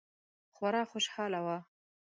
خورا خوشحاله وه.